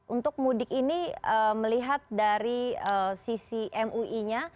untuk mudik ini melihat dari sisi mui nya